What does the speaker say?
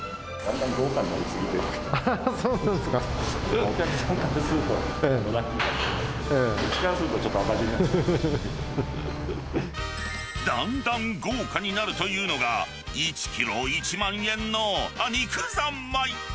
だんだん豪華になるというのが、１キロ１万円のにくざんまい。